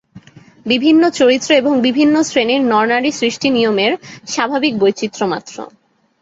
বিভিন্ন চরিত্র এবং বিভিন্ন শ্রেণীর নরনারী সৃষ্টি-নিয়মের স্বাভাবিক বৈচিত্র্য মাত্র।